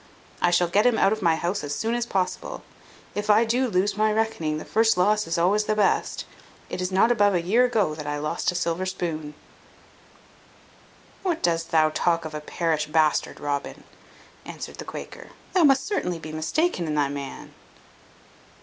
I shall get him out of my house as soon as possible. If I do lose my reckoning, the first loss is always the best. It is not above a year ago that I lost a silver spoon." "What dost thou talk of a parish bastard, Robin?" answered the Quaker. "Thou must certainly be mistaken in thy man."